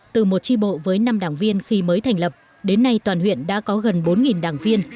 từ một tri bộ với năm đảng viên khi mới thành lập đến nay toàn huyện đã có gần bốn đảng viên